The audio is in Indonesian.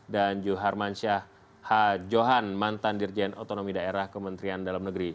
dan juharman syah h johan mantan dirjen otonomi daerah kementerian dalam negeri